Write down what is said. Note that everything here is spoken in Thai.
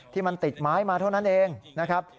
ที่มันติดไม้มาเท่านั้นเองนะครับ